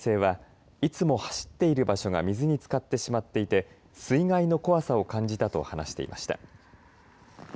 撮影した男性はいつも走っている場所が水につかってしまっていて水害の怖さを感じたと話していました。